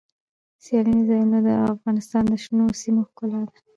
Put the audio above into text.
سیلاني ځایونه د افغانستان د شنو سیمو ښکلا ده.